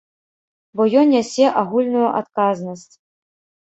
Бо ён нясе агульную адказнасць.